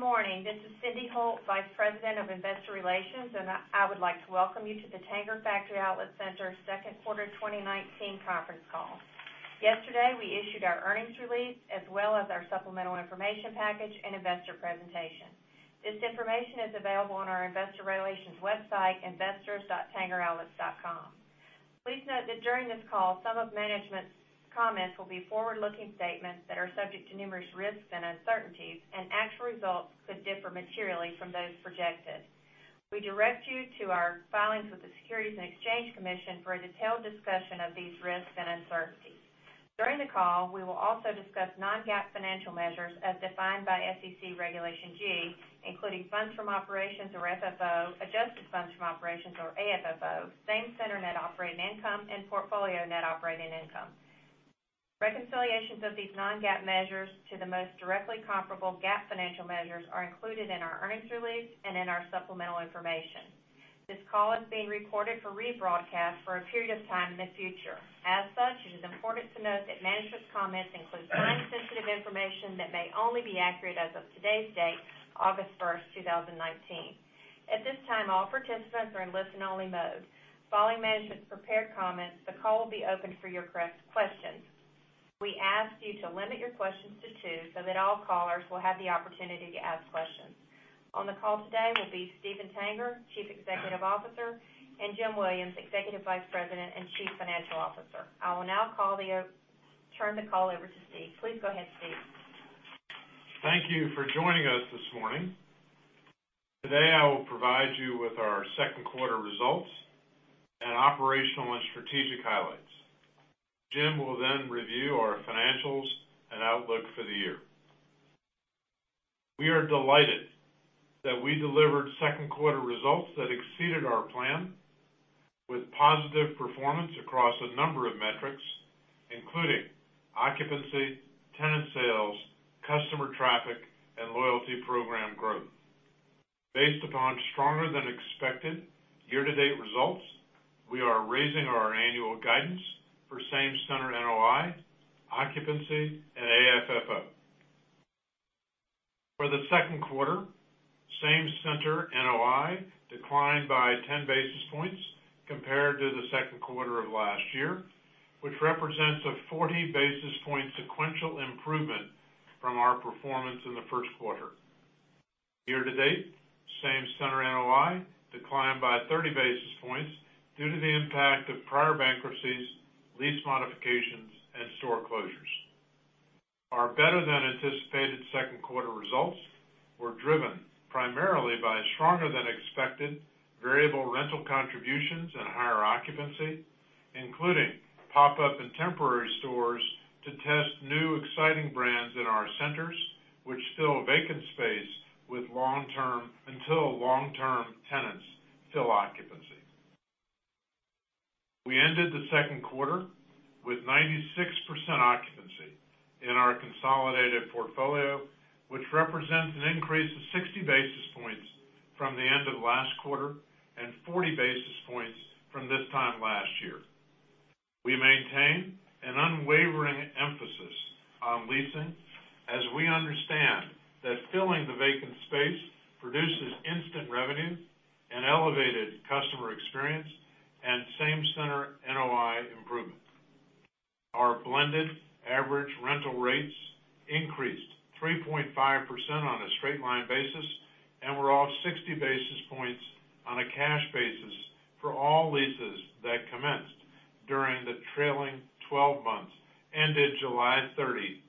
Good morning. This is Cyndi Holt, Vice President of Investor Relations, and I would like to welcome you to the Tanger Factory Outlet Center second quarter 2019 conference call. Yesterday, we issued our earnings release, as well as our supplemental information package and investor presentation. This information is available on our investor relations website, investors.tangeroutlets.com. Please note that during this call, some of management's comments will be forward-looking statements that are subject to numerous risks and uncertainties, and actual results could differ materially from those projected. We direct you to our filings with the Securities and Exchange Commission for a detailed discussion of these risks and uncertainties. During the call, we will also discuss non-GAAP financial measures as defined by SEC Regulation G, including funds from operations or FFO, adjusted funds from operations or AFFO, Same-Center Net Operating Income, and portfolio net operating income. Reconciliations of these non-GAAP measures to the most directly comparable GAAP financial measures are included in our earnings release and in our supplemental information. This call is being recorded for rebroadcast for a period of time in the future. As such, it is important to note that management's comments include time-sensitive information that may only be accurate as of today's date, August first, 2019. At this time, all participants are in listen-only mode. Following management's prepared comments, the call will be opened for your questions. We ask you to limit your questions to two so that all callers will have the opportunity to ask questions. On the call today will be Steven Tanger, Chief Executive Officer, and Jim Williams, Executive Vice President and Chief Financial Officer. I will now turn the call over to Steve. Please go ahead, Steve. Thank you for joining us this morning. Today, I will provide you with our second quarter results and operational and strategic highlights. Jim will then review our financials and outlook for the year. We are delighted that we delivered second quarter results that exceeded our plan with positive performance across a number of metrics, including occupancy, tenant sales, customer traffic, and loyalty program growth. Based upon stronger than expected year-to-date results, we are raising our annual guidance for Same-Center NOI, occupancy, and AFFO. For the second quarter, Same-Center NOI declined by 10 basis points compared to the second quarter of last year, which represents a 40 basis point sequential improvement from our performance in the first quarter. Year-to-date, Same-Center NOI declined by 30 basis points due to the impact of prior bankruptcies, lease modifications, and store closures. Our better than anticipated second quarter results were driven primarily by stronger than expected variable rental contributions and higher occupancy, including pop-up and temporary stores to test new exciting brands in our centers, which fill vacant space until long-term tenants fill occupancy. We ended the second quarter with 96% occupancy in our consolidated portfolio, which represents an increase of 60 basis points from the end of last quarter and 40 basis points from this time last year. We maintain an unwavering emphasis on leasing, as we understand that filling the vacant space produces instant revenue and elevated customer experience and Same-Center NOI improvement. Our blended average rental rates increased 3.5% on a straight line basis and were up 60 basis points on a cash basis for all leases that commenced during the trailing 12 months ended July 30,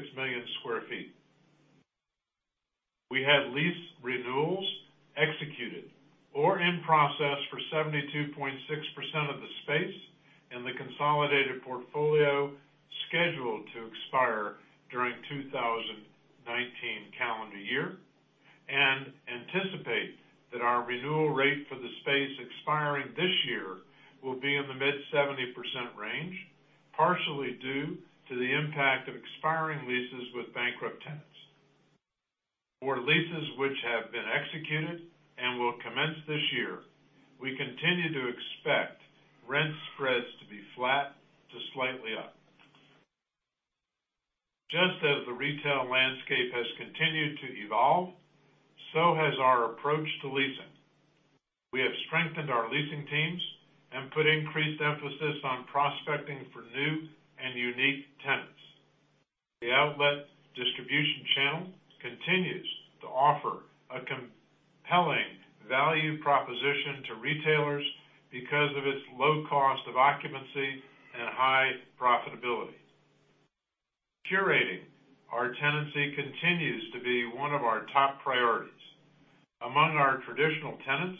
2019. These included 338 leases totaling approximately 1.6 million square feet. We had lease renewals executed or in process for 72.6% of the space in the consolidated portfolio scheduled to expire during 2019 calendar year and anticipate that our renewal rate for the space expiring this year will be in the mid-70% range, partially due to the impact of expiring leases with bankrupt tenants. For leases which have been executed and will commence this year, we continue to expect rent spreads to be flat to slightly up. Just as the retail landscape has continued to evolve, so has our approach to leasing. We have strengthened our leasing teams and put increased emphasis on prospecting for new and unique tenants. The outlet distribution channel continues to offer a compelling value proposition to retailers because of its low cost of occupancy and high profitability. Curating our tenancy continues to be one of our top priorities. Among our traditional tenants,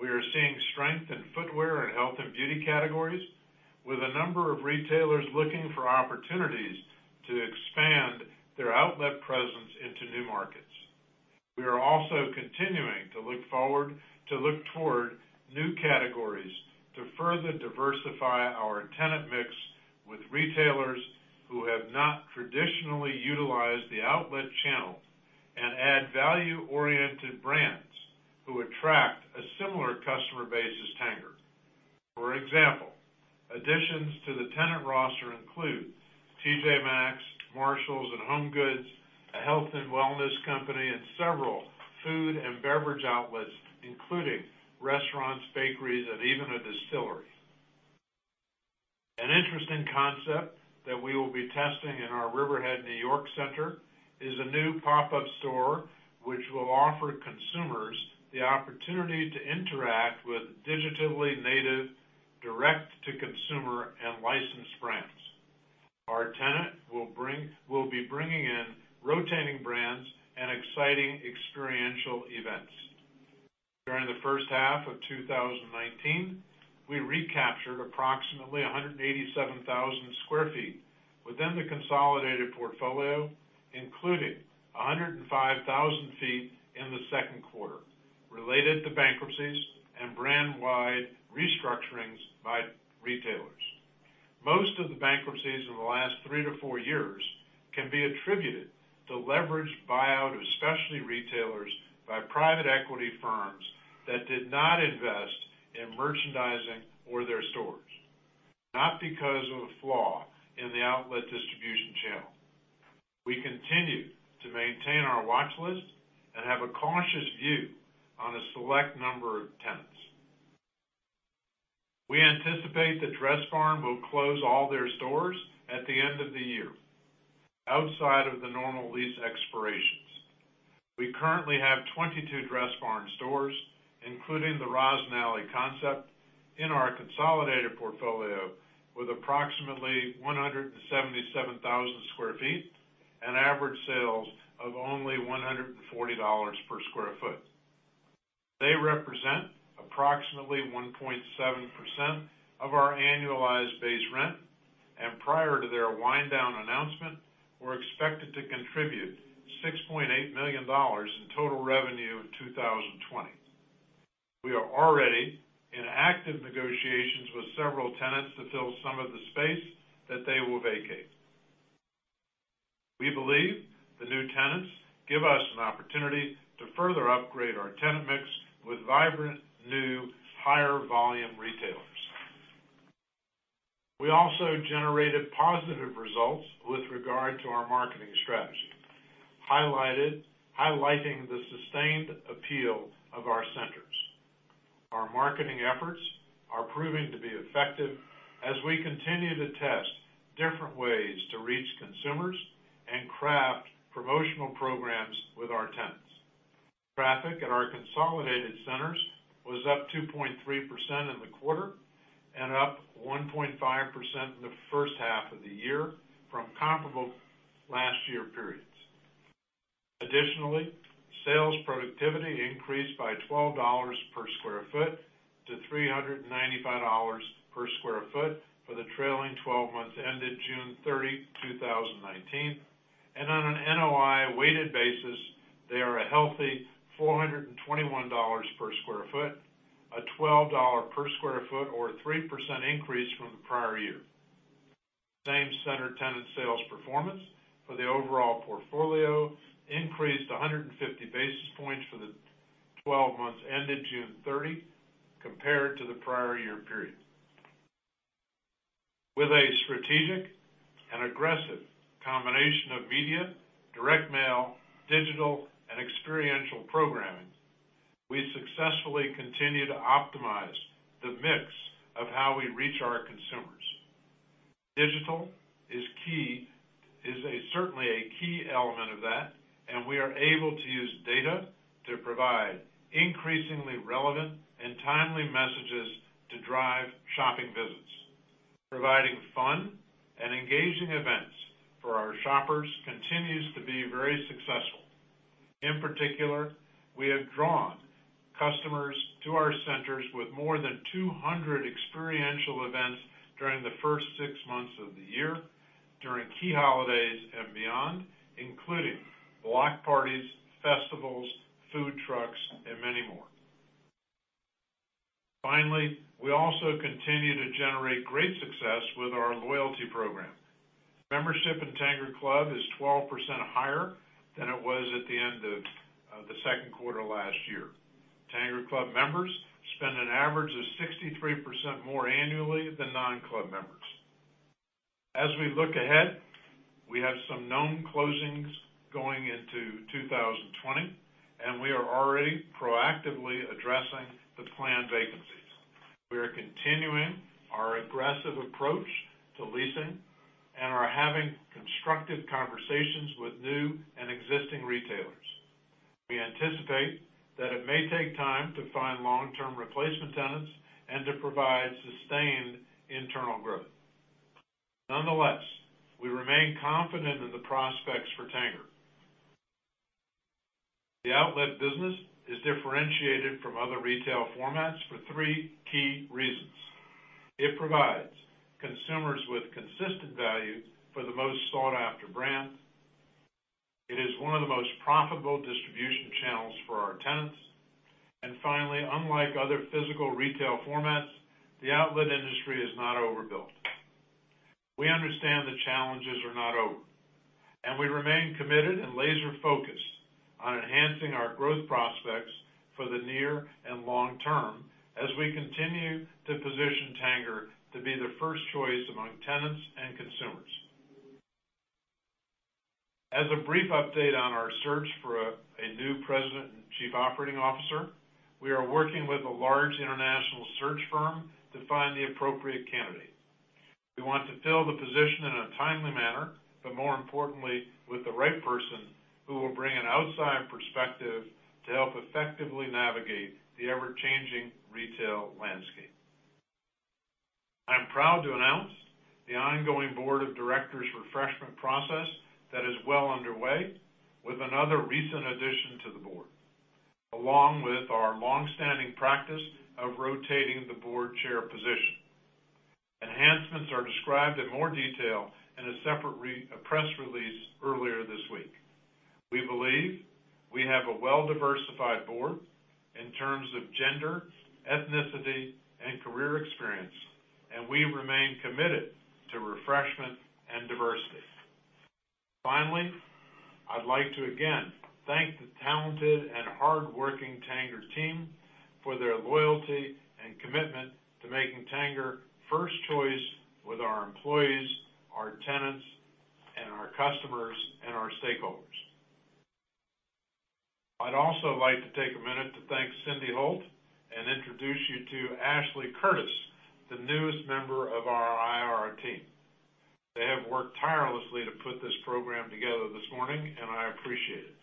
we are seeing strength in footwear and health and beauty categories, with a number of retailers looking for opportunities to expand their outlet presence into new markets. We are also continuing to look toward new categories to further diversify our tenant mix with retailers who have not traditionally utilized the outlet channel and add value-oriented brands who attract a similar customer base as Tanger. For example, additions to the tenant roster include TJ Maxx, Marshalls and HomeGoods, a health and wellness company, and several food and beverage outlets, including restaurants, bakeries, and even a distillery. An interesting concept that we will be testing in our Riverhead, N.Y. center is a new pop-up store which will offer consumers the opportunity to interact with digitally native, direct-to-consumer and licensed brands. Our tenant will be bringing in rotating brands and exciting experiential events. During the first half of 2019, we recaptured approximately 187,000 sq ft within the consolidated portfolio, including 105,000 sq ft in the second quarter related to bankruptcies and brand-wide restructurings by retailers. Most of the bankruptcies over the last three to four years can be attributed to leveraged buyout of specialty retailers by private equity firms that did not invest in merchandising or their stores, not because of a flaw in the outlet distribution channel. We continue to maintain our watch list and have a cautious view on a select number of tenants. We anticipate that Dressbarn will close all their stores at the end of the year, outside of the normal lease expirations. We currently have 22 Dressbarn stores, including the Roz & Ali concept in our consolidated portfolio, with approximately 177,000 sq ft and average sales of only $140 per sq ft. They represent approximately 1.7% of our Annualized Base Rent, and prior to their wind down announcement, were expected to contribute $6.8 million in total revenue in 2020. We are already in active negotiations with several tenants to fill some of the space that they will vacate. We believe the new tenants give us an opportunity to further upgrade our tenant mix with vibrant, new, higher volume retailers. We also generated positive results with regard to our marketing strategy, highlighting the sustained appeal of our centers. Our marketing efforts are proving to be effective as we continue to test different ways to reach consumers and craft promotional programs with our tenants. Traffic at our consolidated centers was up 2.3% in the quarter and up 1.5% in the first half of the year from comparable last year periods. Additionally, sales productivity increased by $12 per square foot to $395 per square foot for the trailing 12 months ended June 30, 2019. On an NOI weighted basis, they are a healthy $421 per square foot, a $12 per square foot or 3% increase from the prior year. Same-center tenant sales performance for the overall portfolio increased 150 basis points for the 12 months ended June 30 compared to the prior year period. With a strategic and aggressive combination of media, direct mail, digital, and experiential programming, we successfully continue to optimize the mix of how we reach our consumers. Digital is certainly a key element of that. We are able to use data to provide increasingly relevant and timely messages to drive shopping visits. Providing fun and engaging events for our shoppers continues to be very successful. In particular, we have drawn customers to our centers with more than 200 experiential events during the first six months of the year during key holidays and beyond, including block parties, festivals, food trucks, and many more. Finally, we also continue to generate great success with our loyalty program. Membership in Tanger Club is 12% higher than it was at the end of the second quarter last year. Tanger Club members spend an average of 63% more annually than non-club members. As we look ahead, we have some known closings going into 2020, and we are already proactively addressing the planned vacancies. We are continuing our aggressive approach to leasing and are having constructive conversations with new and existing retailers. We anticipate that it may take time to find long-term replacement tenants and to provide sustained internal growth. Nonetheless, we remain confident in the prospects for Tanger. The outlet business is differentiated from other retail formats for three key reasons. It provides consumers with consistent value for the most sought-after brands. It is one of the most profitable for our tenants. Finally, unlike other physical retail formats, the outlet industry is not overbuilt. We understand the challenges are not over, and we remain committed and laser focused on enhancing our growth prospects for the near and long term as we continue to position Tanger to be the first choice among tenants and consumers. As a brief update on our search for a new President and Chief Operating Officer, we are working with a large international search firm to find the appropriate candidate. We want to fill the position in a timely manner, but more importantly, with the right person who will bring an outside perspective to help effectively navigate the ever-changing retail landscape. I'm proud to announce the ongoing board of directors refreshment process that is well underway with another recent addition to the board, along with our longstanding practice of rotating the board chair position. Enhancements are described in more detail in a separate press release earlier this week. We believe we have a well-diversified board in terms of gender, ethnicity, and career experience, and we remain committed to refreshment and diversity. Finally, I'd like to again thank the talented and hardworking Tanger team for their loyalty and commitment to making Tanger first choice with our employees, our tenants, and our customers and our stakeholders. I'd also like to take a minute to thank Cyndi Holt and introduce you to Ashley Curtis, the newest member of our IR team. They have worked tirelessly to put this program together this morning, and I appreciate it.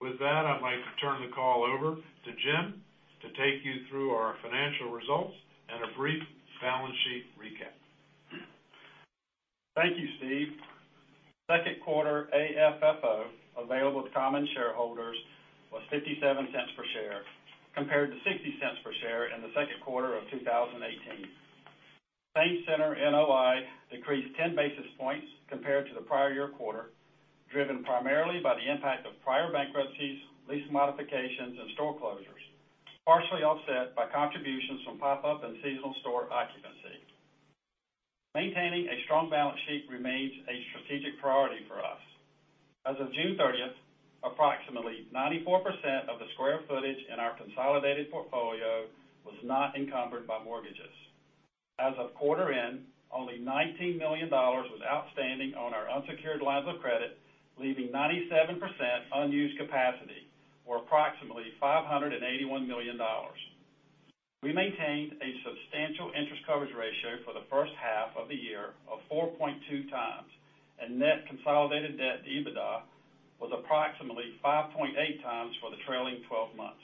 With that, I'd like to turn the call over to Jim to take you through our financial results and a brief balance sheet recap. Thank you, Steve. Second quarter AFFO available to common shareholders was $0.57 per share compared to $0.60 per share in the second quarter of 2018. Same-Center NOI decreased 10 basis points compared to the prior year quarter, driven primarily by the impact of prior bankruptcies, lease modifications, and store closures, partially offset by contributions from pop-up and seasonal store occupancy. Maintaining a strong balance sheet remains a strategic priority for us. As of June 30th, approximately 94% of the square footage in our consolidated portfolio was not encumbered by mortgages. As of quarter end, only $19 million was outstanding on our unsecured lines of credit, leaving 97% unused capacity, or approximately $581 million. We maintained a substantial interest coverage ratio for the first half of the year of 4.2 times, and net consolidated debt to EBITDA was approximately 5.8 times for the trailing 12 months.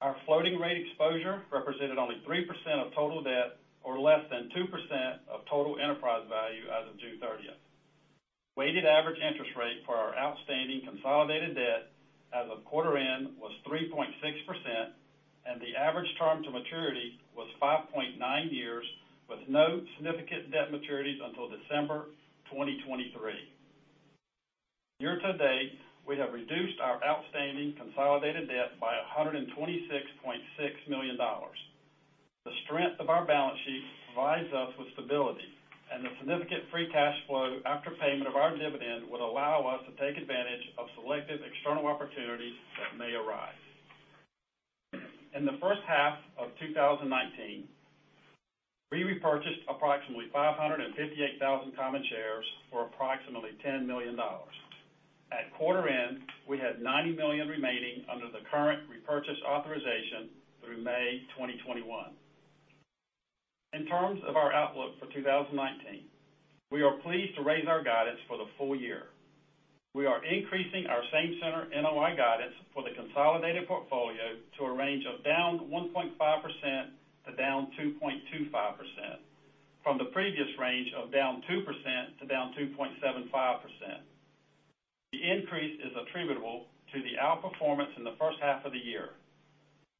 Our floating rate exposure represented only 3% of total debt or less than 2% of total enterprise value as of June 30th. Weighted average interest rate for our outstanding consolidated debt as of quarter end was 3.6%, and the average term to maturity was 5.9 years, with no significant debt maturities until December 2023. Year to date, we have reduced our outstanding consolidated debt by $126.6 million. The strength of our balance sheet provides us with stability, and the significant free cash flow after payment of our dividend would allow us to take advantage of selective external opportunities that may arise. In the first half of 2019, we repurchased approximately 558,000 common shares for approximately $10 million. At quarter end, we had $90 million remaining under the current repurchase authorization through May 2021. In terms of our outlook for 2019, we are pleased to raise our guidance for the full year. We are increasing our Same-Center NOI guidance for the consolidated portfolio to a range of down 1.5% to down 2.25% from the previous range of down 2% to down 2.75%. The increase is attributable to the outperformance in the first half of the year.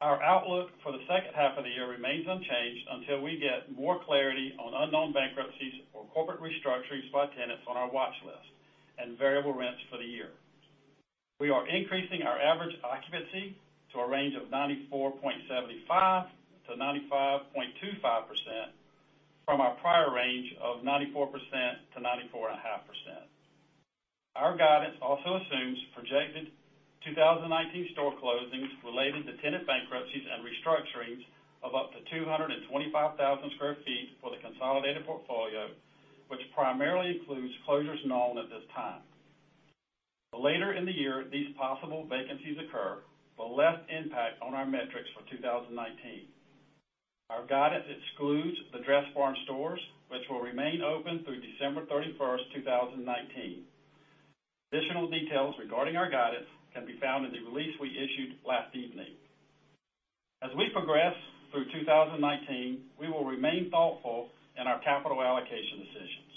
Our outlook for the second half of the year remains unchanged until we get more clarity on unknown bankruptcies or corporate restructurings by tenants on our watch list and variable rents for the year. We are increasing our average occupancy to a range of 94.75%-95.25% from our prior range of 94%-94.5%. Our guidance also assumes projected 2019 store closings related to tenant bankruptcies and restructurings of up to 225,000 sq ft for the consolidated portfolio, which primarily includes closures known at this time. The later in the year these possible vacancies occur, the less impact on our metrics for 2019. Our guidance excludes the Dressbarn stores, which will remain open through December 31st, 2019. Additional details regarding our guidance can be found in the release we issued last evening. As we progress through 2019, we will remain thoughtful in our capital allocation decisions.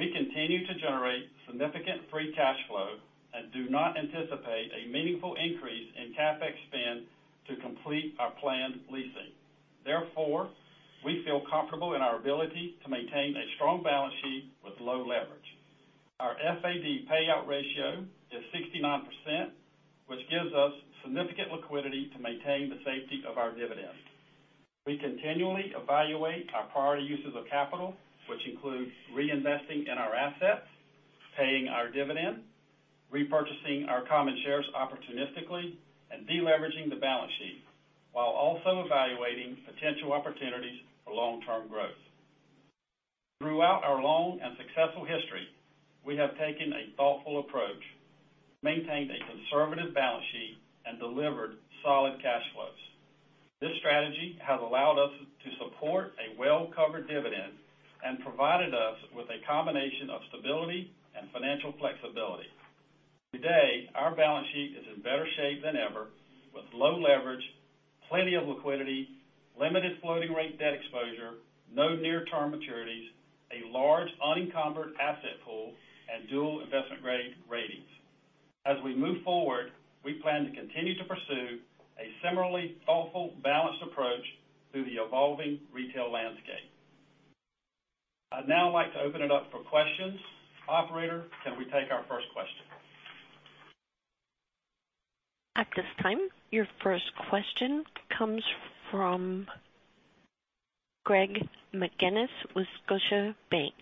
We continue to generate significant free cash flow and do not anticipate a meaningful increase in CapEx to complete our planned leasing. Therefore, we feel comfortable in our ability to maintain a strong balance sheet with low leverage. Our FAD payout ratio is 69%, which gives us significant liquidity to maintain the safety of our dividend. We continually evaluate our priority uses of capital, which includes reinvesting in our assets, paying our dividend, repurchasing our common shares opportunistically, and de-leveraging the balance sheet, while also evaluating potential opportunities for long-term growth. Throughout our long and successful history, we have taken a thoughtful approach, maintained a conservative balance sheet, and delivered solid cash flows. This strategy has allowed us to support a well-covered dividend and provided us with a combination of stability and financial flexibility. Today, our balance sheet is in better shape than ever with low leverage, plenty of liquidity, limited floating rate debt exposure, no near-term maturities, a large unencumbered asset pool, and dual investment-grade ratings. As we move forward, we plan to continue to pursue a similarly thoughtful, balanced approach through the evolving retail landscape. I'd now like to open it up for questions. Operator, can we take our first question? At this time, your first question comes from Greg McGinniss with Scotiabank.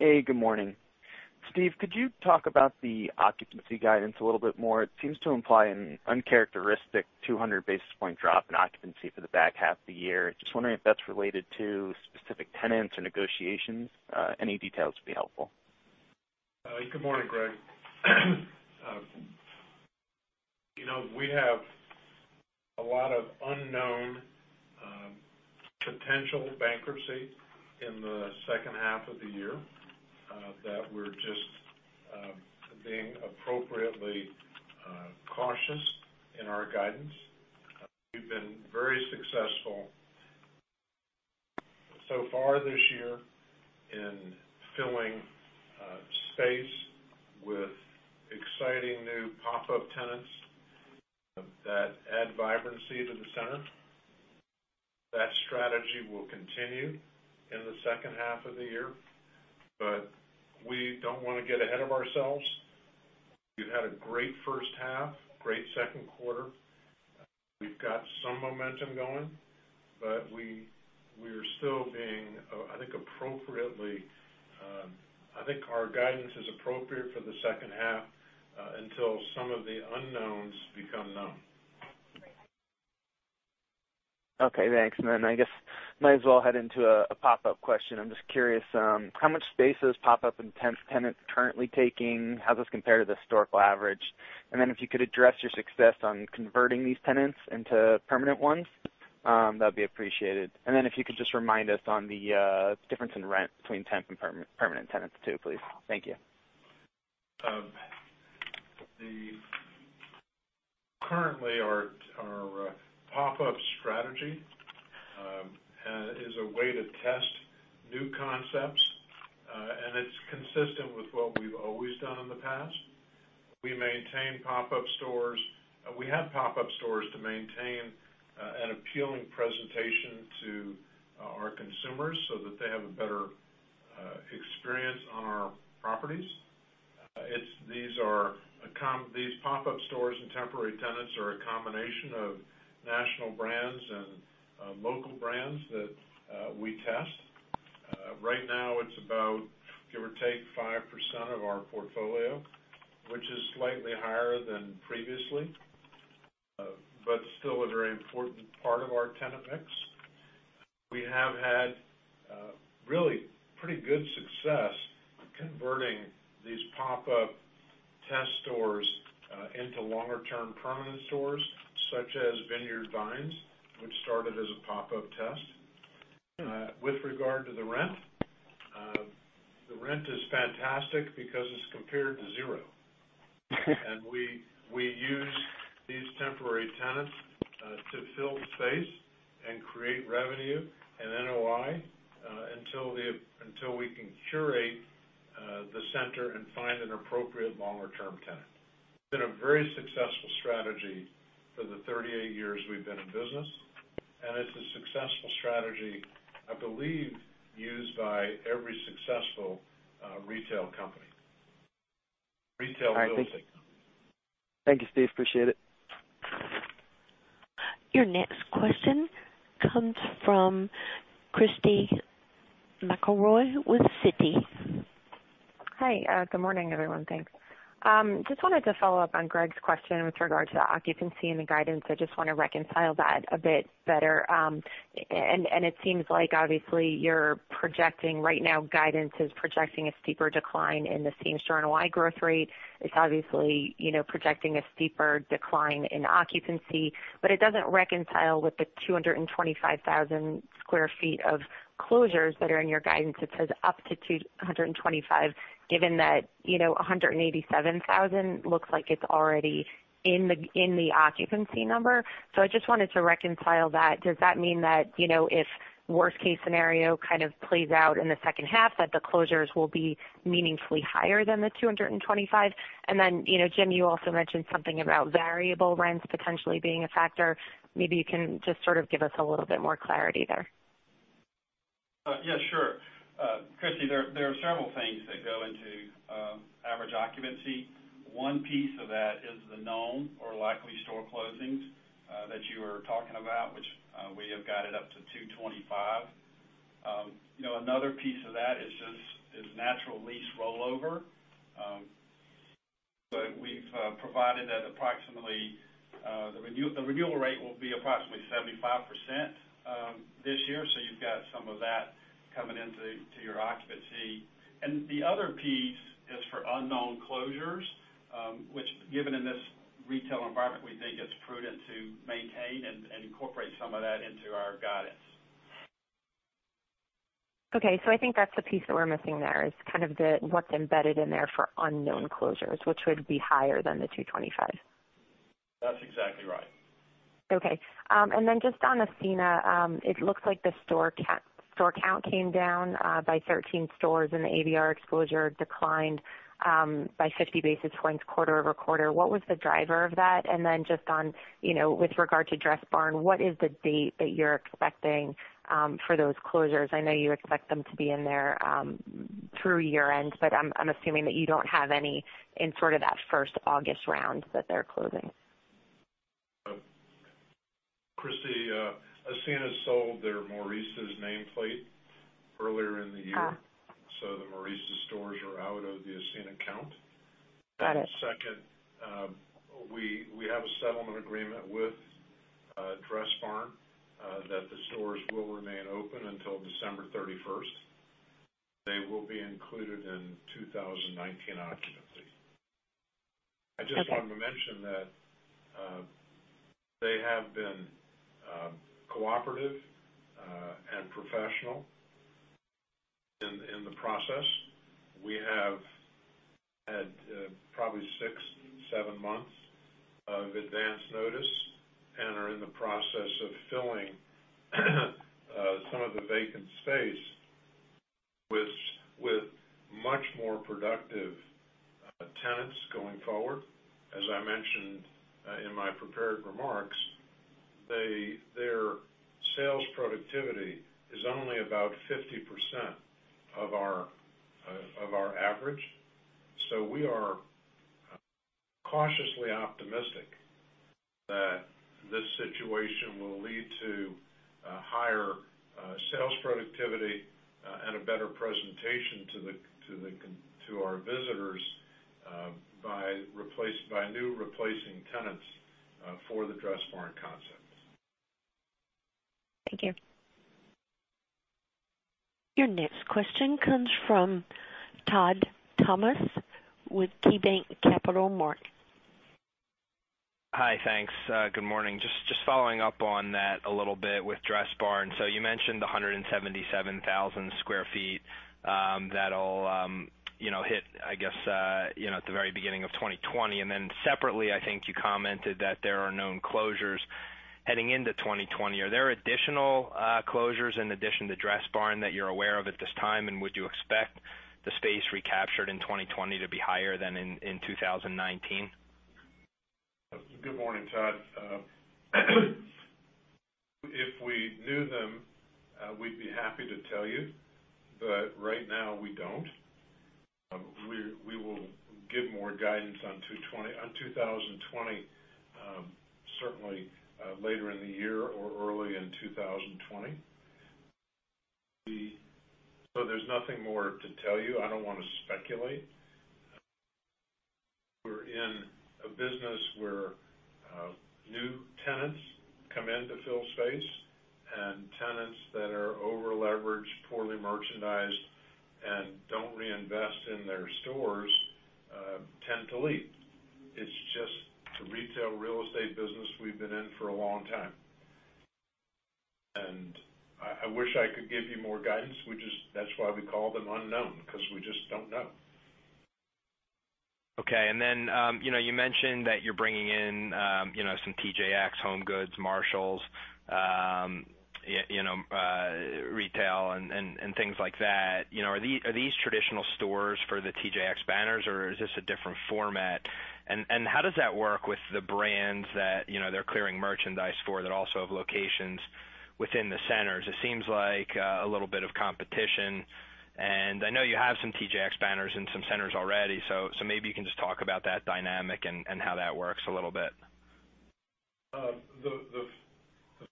Hey, good morning. Steve, could you talk about the occupancy guidance a little bit more? It seems to imply an uncharacteristic 200 basis point drop in occupancy for the back half of the year. Just wondering if that's related to specific tenants or negotiations. Any details would be helpful. Good morning, Greg. We have a lot of unknown potential bankruptcy in the second half of the year, that we're just being appropriately cautious in our guidance. We've been very successful so far this year in filling space with exciting new pop-up tenants that add vibrancy to the center. That strategy will continue in the second half of the year, but we don't want to get ahead of ourselves. We've had a great first half, great second quarter. We've got some momentum going, but we're still being, I think, our guidance is appropriate for the second half, until some of the unknowns become known. Okay, thanks. I guess might as well head into a pop-up question. I'm just curious, how much space those pop-up tenants currently taking, how does this compare to the historical average? If you could address your success on converting these tenants into permanent ones, that'd be appreciated. If you could just remind us on the difference in rent between temp and permanent tenants too, please. Thank you. Currently, our pop-up strategy is a way to test new concepts, and it's consistent with what we've always done in the past. We have pop-up stores to maintain an appealing presentation to our consumers so that they have a better experience on our properties. These pop-up stores and temporary tenants are a combination of national brands and local brands that we test. Right now, it's about, give or take, 5% of our portfolio, which is slightly higher than previously, but still a very important part of our tenant mix. We have had really pretty good success converting these pop-up test stores into longer-term permanent stores, such as Vineyard Vines, which started as a pop-up test. With regard to the rent, the rent is fantastic because it's compared to zero. We use these temporary tenants to fill the space and create revenue and NOI, until we can curate the center and find an appropriate longer-term tenant. It's been a very successful strategy for the 38 years we've been in business, and it's a successful strategy, I believe, used by every successful retail real estate company. Thank you, Steve. Appreciate it. Your next question comes from Christy McElroy with Citi. Hi, good morning, everyone. Thanks. Just wanted to follow up on Greg's question with regard to the occupancy and the guidance. I just want to reconcile that a bit better. It seems like obviously you're projecting right now, guidance is projecting a steeper decline in the Same-Center NOI growth rate. It's obviously projecting a steeper decline in occupancy, but it doesn't reconcile with the 225,000 square feet of closures that are in your guidance. It says up to 225, given that 187,000 looks like it's already in the occupancy number. I just wanted to reconcile that. Does that mean that, if worst case scenario kind of plays out in the second half, that the closures will be meaningfully higher than the 225? Jim, you also mentioned something about variable rents potentially being a factor. Maybe you can just sort of give us a little bit more clarity there. Yes, sure. Christy, there are several things that go into average occupancy. One piece of that is the known or likely store closings that you were talking about, which we have guided up to 225. Another piece of that is just natural lease rollover. We've provided that the renewal rate will be approximately 75% this year, so you've got some of that coming into your occupancy. The other piece is for unknown closures, which, given in this retail environment, we think it's prudent to maintain and incorporate some of that into our guidance. Okay. I think that's the piece that we're missing there, is what's embedded in there for unknown closures, which would be higher than the 225. That's exactly right. Okay. Just on Ascena, it looks like the store count came down by 13 stores and the ABR exposure declined by 50 basis points quarter-over-quarter. What was the driver of that? Just with regard to Dressbarn, what is the date that you're expecting for those closures? I know you expect them to be in there through year-end, I'm assuming that you don't have any in that first August round that they're closing. Christy, Ascena sold their Maurices nameplate earlier in the year. Oh. The Maurices stores are out of the Ascena count. Got it. Second, we have a settlement agreement with Dressbarn that the stores will remain open until December 31st. They will be included in 2019 occupancy. Okay. I just wanted to mention that they have been cooperative and professional in the process. We have had probably six, seven months of advance notice and are in the process of filling some of the vacant space with much more productive tenants going forward. As I mentioned in my prepared remarks, their sales productivity is only about 50% of our average. We are cautiously optimistic that this situation will lead to higher sales productivity and a better presentation to our visitors by new replacing tenants for the Dressbarn concept. Thank you. Your next question comes from Todd Thomas with KeyBanc Capital Markets. Hi. Thanks. Good morning. Just following up on that a little bit with Dressbarn. You mentioned the 177,000 sq ft that'll hit, I guess, at the very beginning of 2020. Separately, I think you commented that there are known closures heading into 2020. Are there additional closures in addition to Dressbarn that you're aware of at this time, and would you expect the space recaptured in 2020 to be higher than in 2019? Good morning, Todd. If we knew them, we'd be happy to tell you, but right now we don't. We will give more guidance on 2020 certainly later in the year or early in 2020. There's nothing more to tell you. I don't want to speculate. We're in a business where new tenants come in to fill space, and tenants that are over-leveraged, poorly merchandised, and don't reinvest in their stores tend to leave. It's just the retail real estate business we've been in for a long time. I wish I could give you more guidance. That's why we call them unknown, because we just don't know. Okay. You mentioned that you're bringing in some TJX, HomeGoods, Marshalls retail and things like that. Are these traditional stores for the TJX banners, or is this a different format? How does that work with the brands that they're clearing merchandise for that also have locations within the centers? It seems like a little bit of competition, and I know you have some TJX banners in some centers already. Maybe you can just talk about that dynamic and how that works a little bit. The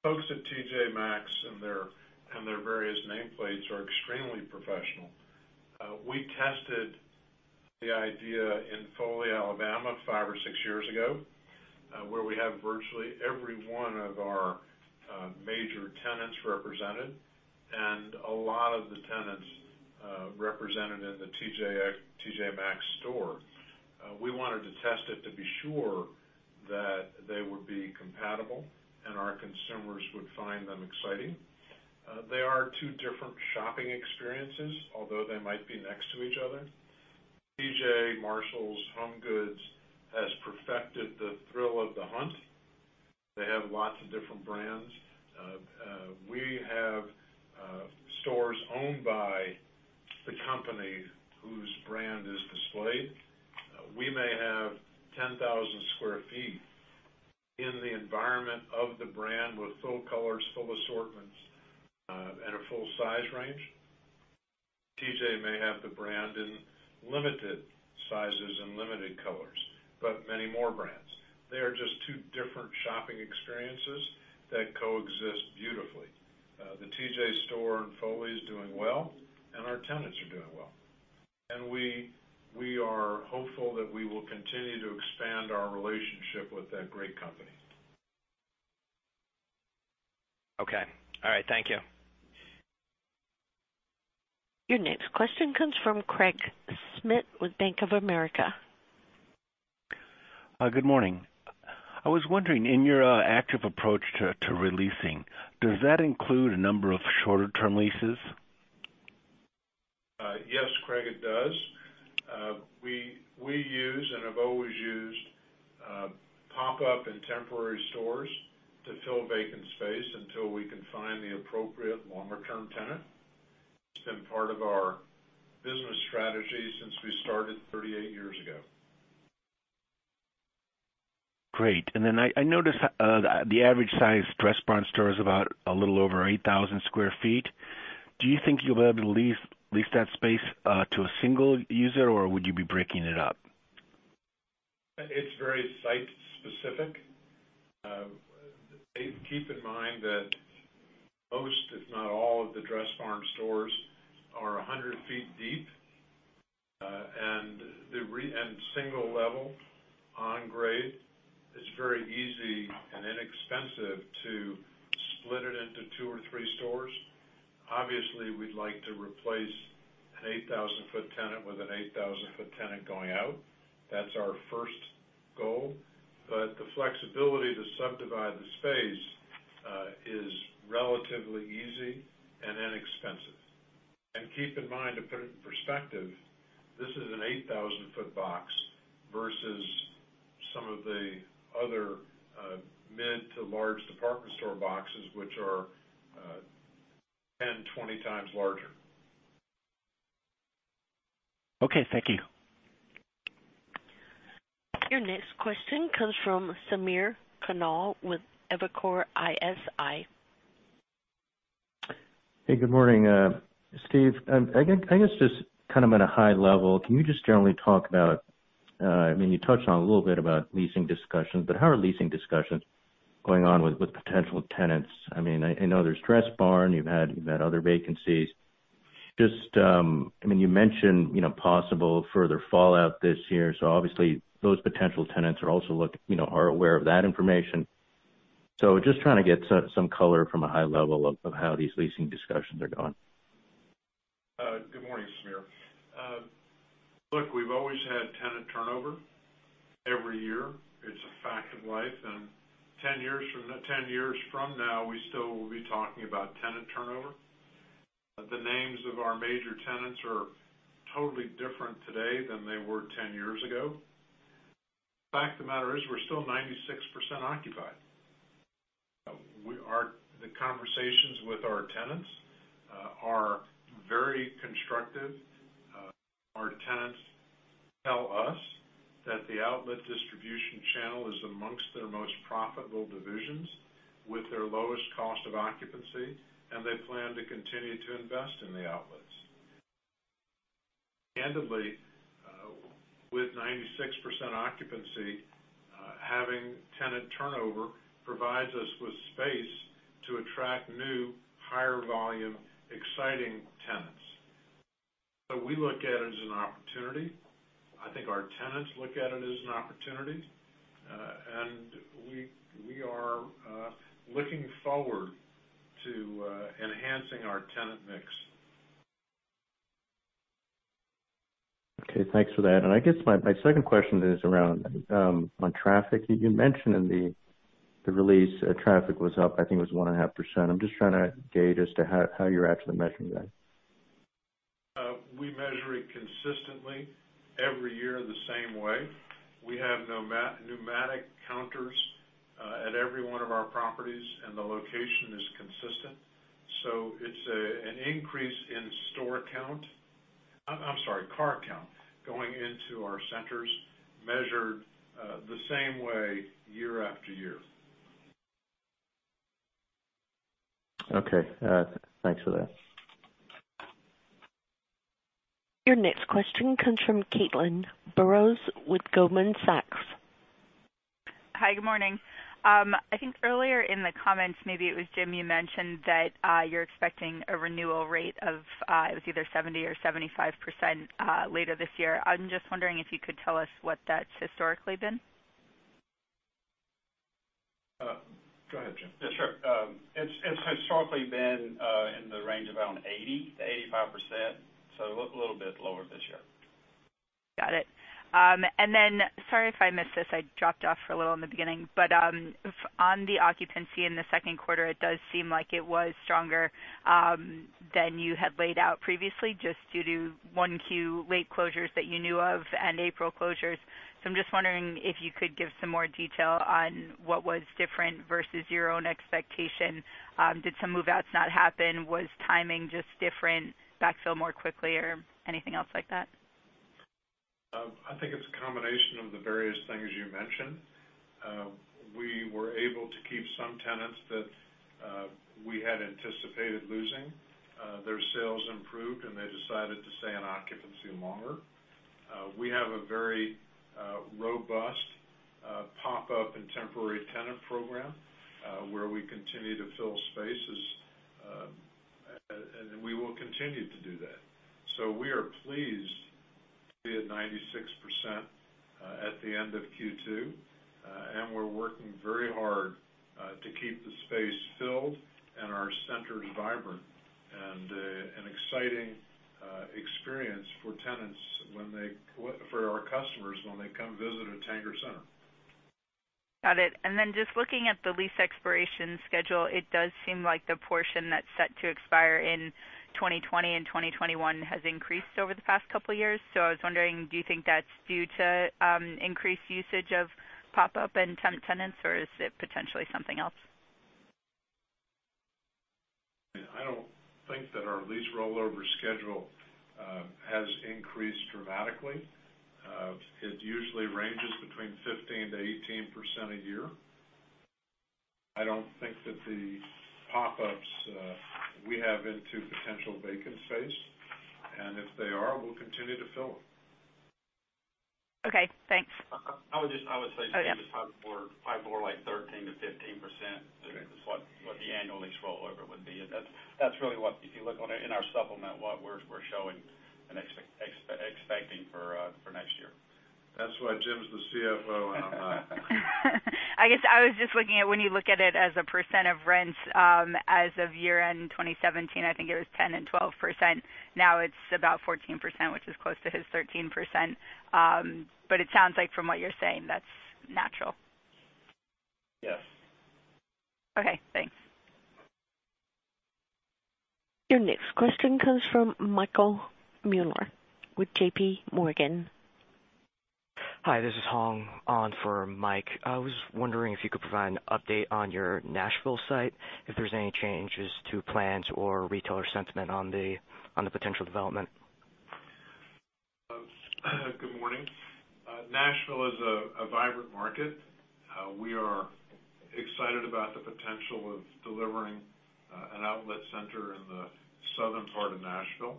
folks at TJ Maxx and their various nameplates are extremely professional. We tested the idea in Foley, Alabama, five or six years ago, where we have virtually every one of our major tenants represented and a lot of the tenants represented in the TJ Maxx store. We wanted to test it to be sure that they would be compatible and our consumers would find them exciting. They are two different shopping experiences, although they might be next to each other. TJ Maxx, Marshalls, HomeGoods has perfected the thrill of the hunt. They have lots of different brands. We have stores owned by the company whose brand is displayed. We may have 10,000 sq ft In the environment of the brand with full colors, full assortments, and a full size range. TJ may have the brand in limited sizes and limited colors, but many more brands. They are just two different shopping experiences that coexist beautifully. The TJ store in Foley is doing well, and our tenants are doing well. We are hopeful that we will continue to expand our relationship with that great company. Okay. All right. Thank you. Your next question comes from Craig Mailman with Bank of America. Good morning. I was wondering, in your active approach to releasing, does that include a number of shorter term leases? Yes, Craig, it does. We use and have always used pop-up and temporary stores to fill vacant space until we can find the appropriate longer-term tenant. It's been part of our business strategy since we started 38 years ago. Great. Then I noticed the average size Dressbarn store is about a little over 8,000 sq ft. Do you think you'll be able to lease that space to a single user, or would you be breaking it up? It's very site specific. Keep in mind that most, if not all of the Dressbarn stores are 100 feet deep. Single level on grade. It's very easy and inexpensive to split it into two or three stores. Obviously, we'd like to replace an 8,000-foot tenant with an 8,000-foot tenant going out. That's our first goal. The flexibility to subdivide the space is relatively easy and inexpensive. Keep in mind, to put it in perspective, this is an 8,000-foot box versus some of the other mid to large department store boxes, which are 10, 20 times larger. Okay, thank you. Your next question comes from Samir Khanal with Evercore ISI. Hey, good morning. Steve, I guess just kind of at a high level, can you just generally talk about, you touched on a little bit about leasing discussions, but how are leasing discussions going on with potential tenants? I know there's Dressbarn. You've had other vacancies. You mentioned possible further fallout this year, so obviously those potential tenants are aware of that information. Just trying to get some color from a high level of how these leasing discussions are going. Good morning, Samir. Look, we've always had tenant turnover every year. It's a fact of life. 10 years from now, we still will be talking about tenant turnover. The names of our major tenants are totally different today than they were 10 years ago. Fact of the matter is we're still 96% occupied. The conversations with our tenants are very constructive. Our tenants tell us that the outlet distribution channel is amongst their most profitable divisions with their lowest cost of occupancy, and they plan to continue to invest in the outlets. Candidly, with 96% occupancy, having tenant turnover provides us with space to attract new, higher volume, exciting tenants. We look at it as an opportunity. I think our tenants look at it as an opportunity. We are looking forward to enhancing our tenant mix. Okay, thanks for that. I guess my second question is around on traffic. You mentioned in the release traffic was up, I think it was one and a half%. I'm just trying to gauge as to how you're actually measuring that. We measure it consistently every year the same way. We have pneumatic counters at every one of our properties, and the location is consistent. It's an increase in car count going into our centers measured the same way year after year. Okay. Thanks for that. Your next question comes from Caitlin Burrows with Goldman Sachs. Hi. Good morning. I think earlier in the comments, maybe it was Jim, you mentioned that you're expecting a renewal rate of, it was either 70% or 75% later this year. I'm just wondering if you could tell us what that's historically been. Go ahead, Jim. Yeah, sure. It's historically been in the range of around 80%-85%, so a little bit lower this year. Got it. Sorry if I missed this, I dropped off for a little in the beginning, but on the occupancy in the second quarter, it does seem like it was stronger than you had laid out previously, just due to 1Q late closures that you knew of and April closures. I'm just wondering if you could give some more detail on what was different versus your own expectation. Did some move-outs not happen? Was timing just different, backfill more quickly or anything else like that? I think it's a combination of the various things you mentioned. We were able to keep some tenants that we had anticipated losing. Their sales improved, and they decided to stay in occupancy longer. We have a very robust pop-up and temporary tenant program where we continue to fill spaces, and we will continue to do that. We are pleased to be at 96% at the end of Q2, and we're working very hard to keep the space filled and our centers vibrant, and an exciting experience for our customers when they come visit a Tanger center. Got it. Just looking at the lease expiration schedule, it does seem like the portion that's set to expire in 2020 and 2021 has increased over the past couple of years. I was wondering, do you think that's due to increased usage of pop-up and temp tenants, or is it potentially something else? I don't think that our lease rollover schedule has increased dramatically. It usually ranges between 15%-18% a year. I don't think that the pop-ups we have into potential vacant space, and if they are, we'll continue to fill them. Okay, thanks. I would say, Caitlin, it's probably more like 13%-15%, is what the annual lease rollover would be. That's really what, if you look in our supplement, what we're showing and expecting for next year. That's why Jim's the CFO, and I'm not. I guess I was just looking at when you look at it as a % of rents as of year-end 2017, I think it was 10% and 12%. Now it's about 14%, which is close to his 13%. It sounds like from what you're saying, that's natural. Yes. Okay, thanks. Your next question comes from Michael Mueller with JPMorgan. Hi, this is Hong on for Mike. I was wondering if you could provide an update on your Nashville site, if there's any changes to plans or retailer sentiment on the potential development. Good morning. Nashville is a vibrant market. We are excited about the potential of delivering an outlet center in the southern part of Nashville.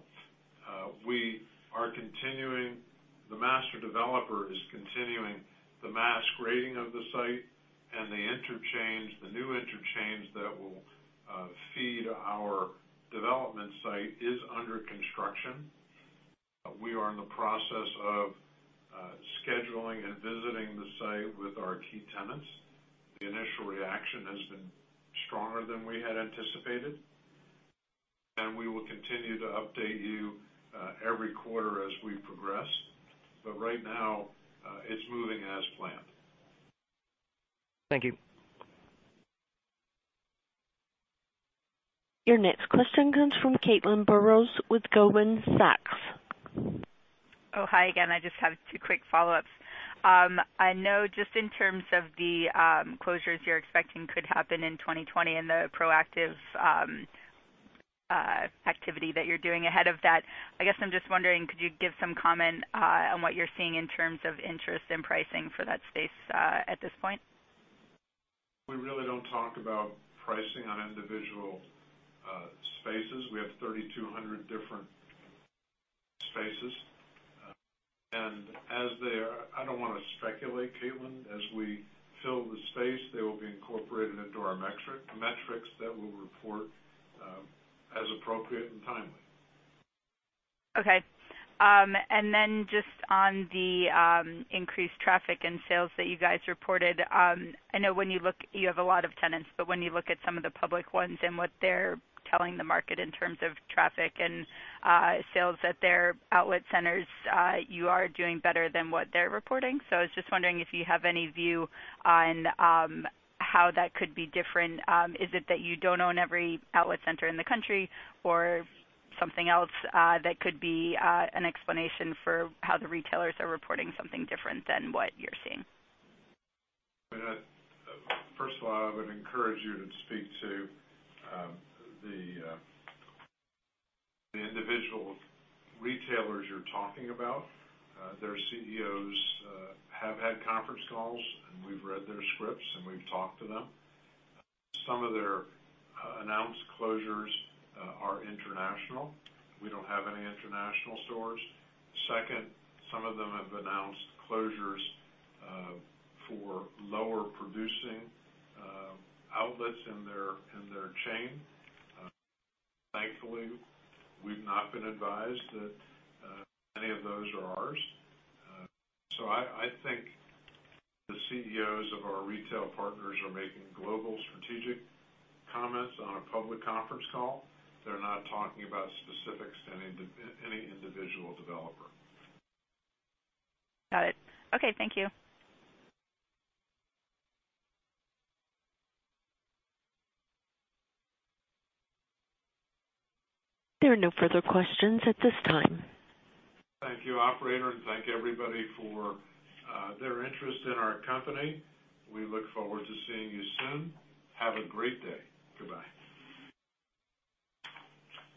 The master developer is continuing the mass grading of the site and the interchange, the new interchange that will feed our development site is under construction. We are in the process of scheduling and visiting the site with our key tenants. The initial reaction has been stronger than we had anticipated, and we will continue to update you every quarter as we progress. Right now, it's moving as planned. Thank you. Your next question comes from Caitlin Burrows with Goldman Sachs. Oh, hi again. I just have two quick follow-ups. I know just in terms of the closures you're expecting could happen in 2020 and the proactive activity that you're doing ahead of that, I guess I'm just wondering, could you give some comment on what you're seeing in terms of interest in pricing for that space at this point? We really don't talk about pricing on individual spaces. We have 3,200 different spaces. I don't want to speculate, Caitlin. As we fill the space, they will be incorporated into our metrics that we'll report as appropriate and timely. Okay. Just on the increased traffic and sales that you guys reported. I know you have a lot of tenants, when you look at some of the public ones and what they're telling the market in terms of traffic and sales at their outlet centers, you are doing better than what they're reporting. I was just wondering if you have any view on how that could be different. Is it that you don't own every outlet center in the country or something else that could be an explanation for how the retailers are reporting something different than what you're seeing? First of all, I would encourage you to speak to the individual retailers you're talking about. Their CEOs have had conference calls, and we've read their scripts, and we've talked to them. Some of their announced closures are international. We don't have any international stores. Second, some of them have announced closures for lower producing outlets in their chain. Thankfully, we've not been advised that any of those are ours. I think the CEOs of our retail partners are making global strategic comments on a public conference call. They're not talking about specifics to any individual developer. Got it. Okay, thank you. There are no further questions at this time. Thank you, operator. Thank everybody for their interest in our company. We look forward to seeing you soon. Have a great day. Goodbye.